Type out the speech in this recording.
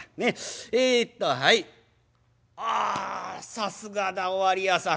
さすがだおわり屋さん。